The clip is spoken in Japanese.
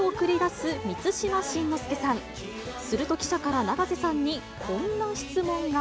すると記者から永瀬さんにこんな質問が。